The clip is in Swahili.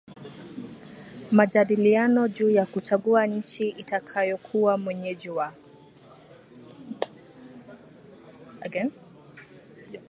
majadiliano juu ya kuchagua nchi itakayokuwa mwenyeji wa